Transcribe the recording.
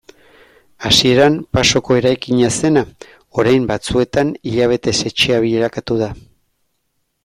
Hasieran pasoko eraikina zena orain batzuentzat hilabetez etxea bilakatu da.